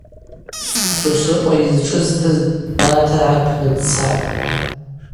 Сосрыкъва йызшӏызтыз нартыргӏа рпны дцатӏ.